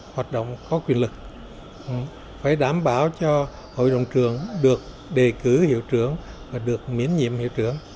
hoạt động có quyền lực phải đảm bảo cho hội đồng trường được đề cử hiệu trưởng và được miễn nhiệm hiệu trưởng